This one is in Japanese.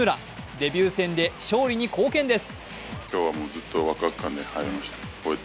デビュー戦で勝利に貢献です。